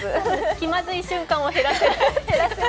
気まずい瞬間を減らしたい。